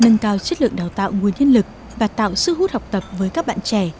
nâng cao chất lượng đào tạo nguồn nhân lực và tạo sức hút học tập với các bạn trẻ